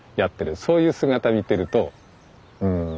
そういう姿見てるとうん。